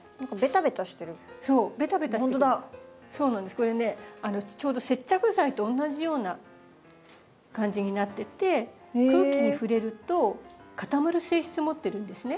これねちょうど接着剤とおんなじような感じになってて空気に触れると固まる性質を持ってるんですね。